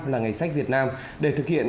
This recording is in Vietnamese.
là ngày sách việt nam để thực hiện